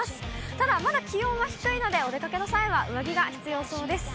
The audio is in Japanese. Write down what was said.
ただ、まだ気温は低いので、お出かけの際は、上着が必要そうです。